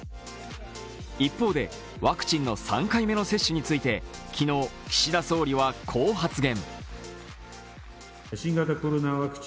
一方で、ワクチンの３回目の接種について昨日、岸田総理はこう発言。